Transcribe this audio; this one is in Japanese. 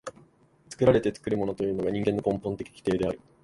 作られて作るものというのが人間の根本的規定である。